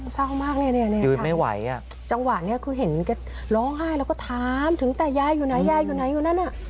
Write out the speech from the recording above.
เศร้ามากเนี่ยจังหวะเนี่ยคือเห็นร้องไห้แล้วก็ถามถึงแต่ยายอยู่ไหนยายอยู่ไหนอยู่นั่นเนี่ย